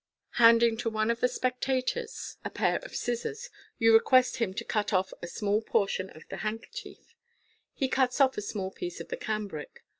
Handing to one of the spec* 250 MODERN MA GIC. tators a pair of scissors, you request him to cut off a small portion of the handkerchief. He cuts off a piece of the cambric.